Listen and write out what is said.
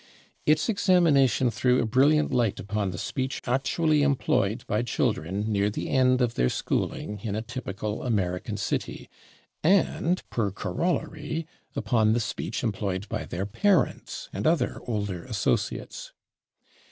Its examination threw a brilliant light upon the speech actually employed by children near the end of their schooling in a typical American city, and, /per corollary/, upon the speech employed by their parents and other older associates.